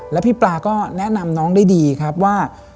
แล้วพี่ปลาก็แนะนำน้องได้ดีครับว่า